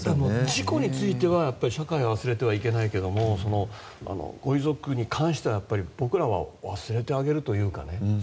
事故については社会は忘れてはいけないけどもご遺族に関しては僕らは忘れてあげるというかね。